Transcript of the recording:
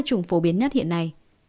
chủng phổ biến nhất hiện nay